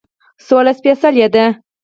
سوله سپیڅلې ده